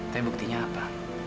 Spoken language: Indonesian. tapi buktinya apa